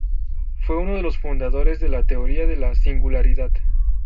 Fue uno de los fundadores de la teoría de la singularidad.